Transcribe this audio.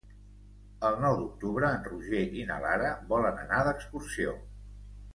El nou d'octubre en Roger i na Lara volen anar d'excursió.